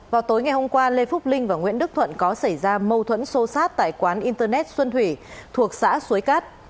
vào tối ngày hôm qua lê phúc linh và nguyễn đức thuận có xảy ra mâu thuẫn sô sát tại quán internet xuân thủy thuộc xã suối cát